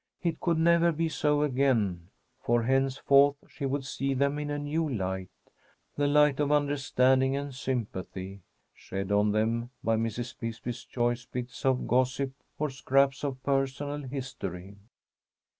It could never be so again, for henceforth she would see them in a new light, the light of understanding and sympathy shed on them by Mrs. Bisbee's choice bits of gossip or scraps of personal history.